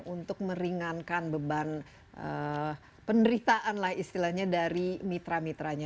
untuk meringankan beban penderitaan lah istilahnya dari mitra mitranya